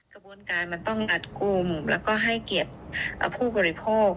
ต้องการแดดกลุ่มและให้เกลียดผู้บริโภค